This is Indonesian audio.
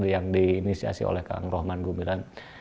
yang diinisiasi oleh kang rohman gumiran